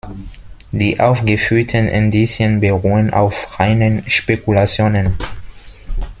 Die aufgeführten Indizien beruhen auf reinen Spekulationen.